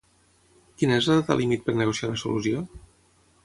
Quina és la data límit per negociar una solució?